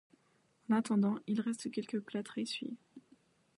En attendant, il reste quelques plâtres à essuyer…